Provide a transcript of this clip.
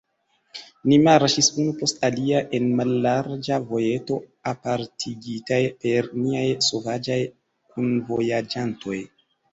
Ni marŝis unu post alia en mallarĝa vojeto, apartigitaj per niaj sovaĝaj kunvojaĝantoj.